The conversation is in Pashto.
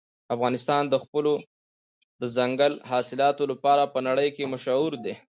افغانستان د خپلو دځنګل حاصلاتو لپاره په نړۍ کې مشهور دی.